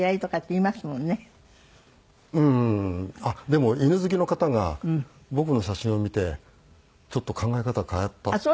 でも犬好きの方が僕の写真を見てちょっと考え方変わったって。